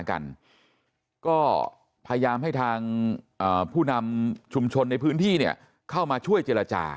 กันก็พยายามให้ทางผู้นำชุมชนในพื้นที่เนี่ยเข้ามาช่วยเจรจา